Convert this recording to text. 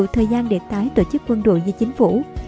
thời gian để tái tổ chức quân đội và chính phủ